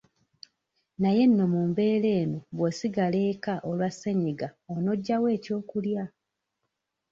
Naye nno mu mbeera eno bw'osigala eka olwa ssenyiga on'oggya wa ekyokulya?